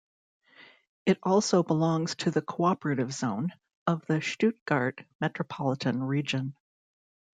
It also belongs to the "Cooperative Zone" of the Stuttgart Metropolitan Region.